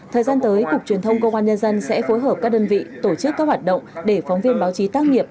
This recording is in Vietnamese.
thời gian tới cục truyền thông công an nhân dân sẽ phối hợp các đơn vị tổ chức các hoạt động để phóng viên báo chí tác nghiệp